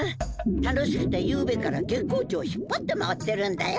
楽しくてゆうべから月光町を引っぱって回ってるんだよ。